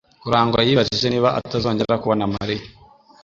Karangwa yibajije niba atazongera kubona Mariya.